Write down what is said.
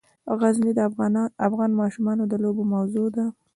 غزني د افغان ماشومانو د لوبو موضوع ده.